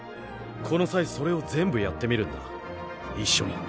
この際それを全部やってみるんだ一緒に。